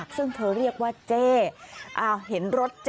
คุณผู้หญิงเสื้อสีขาวเจ้าของรถที่ถูกชน